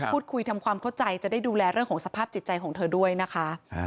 พูดคุยทำความเข้าใจจะได้ดูแลเรื่องของสภาพจิตใจของเธอด้วยนะคะ